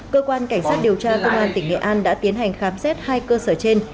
cơ quan cảnh sát điều tra công an tỉnh nghệ an đã tiến hành khám xét hai cơ sở trên